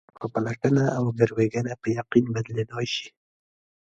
شک په پلټنه او ګروېږنه په یقین بدلېدای شي.